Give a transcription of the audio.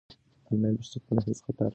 آنلاین فرصتونه هېڅ خطر نه لري.